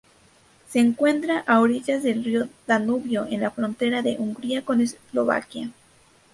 Se encuentra a orillas del río Danubio, en la frontera de Hungría con Eslovaquia.